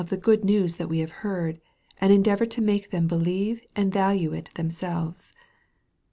69 the good news that we have heard, and endeavor to make them believe and value it themselves.